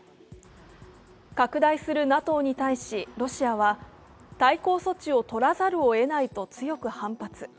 拡大するＮＡＴＯに対し、ロシアは対抗措置を取らざるえないと強く反発。